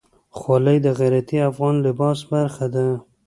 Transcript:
خولۍ د غیرتي افغان لباس برخه ده.